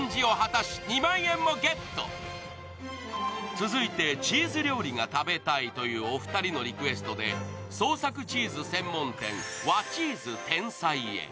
続いて、チーズ料理が食べたいというお二人のリクエストで創作チーズ専門店、和ｃｈｅｅｓｅＴＥＮＳＡＩへ。